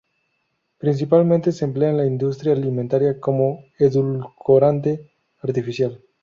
Principalmente se emplea en la industria alimentaria como edulcorante artificial.